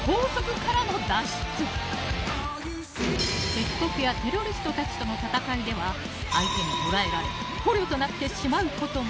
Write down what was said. ［敵国やテロリストたちとの戦いでは相手に捕らえられ捕虜となってしまうことも］